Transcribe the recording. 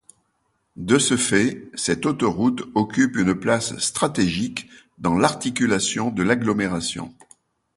De ce fait, cette autoroute occupe une place stratégique dans l'articulation de l'agglomération.